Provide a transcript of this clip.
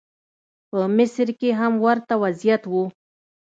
په مصر کې هم ورته وضعیت و.